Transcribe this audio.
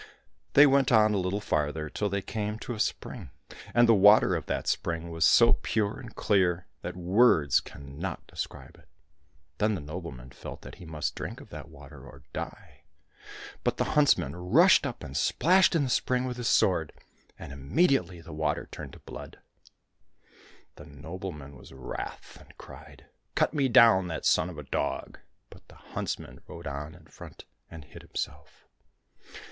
They went on a little farther till they came to a spring, and the water of that spring was so pure and clear that words cannot describe it. Then the noble man felt that he must drink of that water or die ; but the huntsman rushed up and splashed in the spring with his sword, and immediately the water turned to blood. The nobleman was wrath, and cried, " Cut me down that son of a dog !" But the huntsman rode on in front and hid himself.